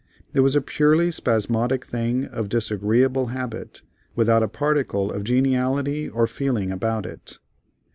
It was a purely spasmodic thing of disagreeable habit, without a particle of geniality or feeling about it.